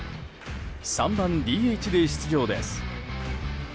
３番ＤＨで出場です。